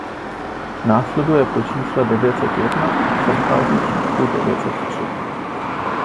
Následuje po čísle devět set jedna a předchází číslu devět set tři.